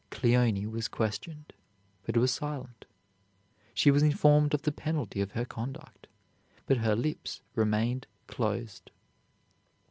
Cleone was questioned, but was silent. She was informed of the penalty of her conduct, but her lips remained closed.